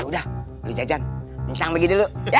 ya udah lo jajan ncang lagi dulu ya